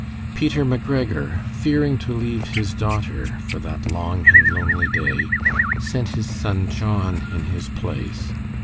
Peter McGregor, fearing to leave his daughter for that long and lonely day, sent his son John in his place.